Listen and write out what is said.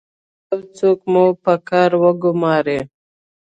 تر هغه چې یو څوک مو په کار وګماري